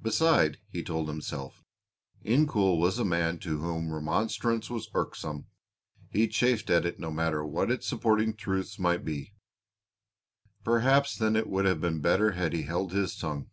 Beside, he told himself, Incoul was a man to whom remonstrance was irksome, he chafed at it no matter what its supporting truths might be. Perhaps then it would have been better had he held his tongue.